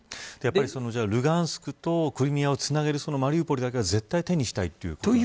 やはりルガンスクとクリミアをつなげるマリウポリだけは絶対手にしたい